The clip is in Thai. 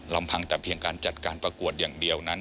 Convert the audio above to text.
ลำพังแต่เพียงการจัดการประกวดอย่างเดียวนั้น